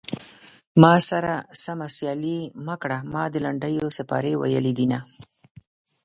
ما سره سمه سيالي مه کړه ما د لنډيو سيپارې ويلي دينه